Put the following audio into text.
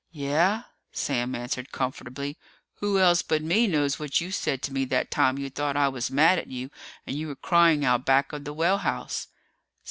"Yeah?" Sam answered comfortably. "Who else but me knows what you said to me that time you thought I was mad at you and you were crying out back of the well house?"